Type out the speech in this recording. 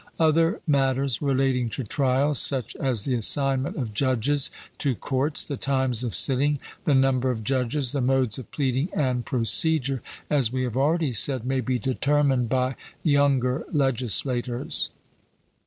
Other matters relating to trials, such as the assignment of judges to courts, the times of sitting, the number of judges, the modes of pleading and procedure, as we have already said, may be determined by younger legislators.